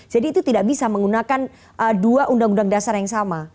jadi itu tidak bisa menggunakan dua undang undang dasar yang sama